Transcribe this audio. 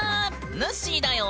ぬっしーだよ！